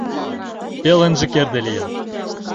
Пеленже керде лийын.